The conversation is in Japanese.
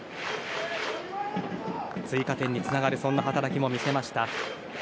追加点につながるそんな働きも見せました。